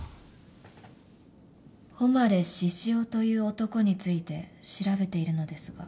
誉獅子雄という男について調べているのですが。